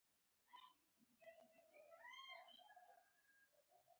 هغه شکنجه چې ما په محبس کې ولیده ډېر کتاب غواړي.